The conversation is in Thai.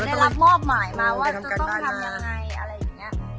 ได้รับมอบหมายมาว่าจะต้องทำยังไงอะไรอย่างนี้